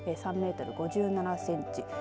３メートル５７センチ。